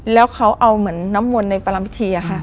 แล้วเขาเอาเหมือนน้ำมนต์ในปรารมณ์พิธี